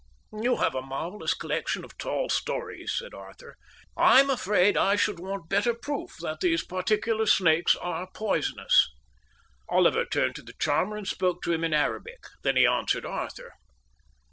"You have a marvellous collection of tall stories," said Arthur. "I'm afraid I should want better proof that these particular snakes are poisonous." Oliver turned to the charmer and spoke to him in Arabic. Then he answered Arthur.